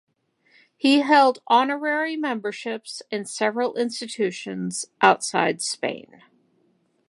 He held honorary memberships in several institutions outside Spain.